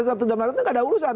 itu nggak ada urusan